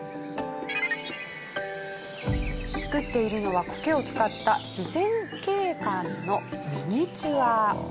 作っているのは苔を使った自然景観のミニチュア。